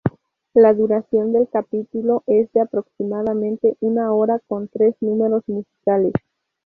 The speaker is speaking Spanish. La duración del capítulo es de aproximadamente una hora con tres números musicales.